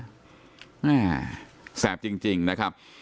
แม่แสบจริงนะครับ